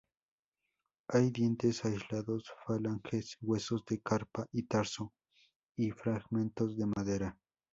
Hay dientes aislados, falanges, huesos de carpa y tarso y fragmentos de madera.